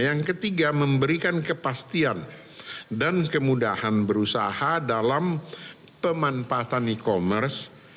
yang ketiga memberikan kepastian dan kemudahan berusaha dalam pemanfaatan e commerce